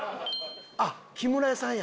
あっ木村屋さんや。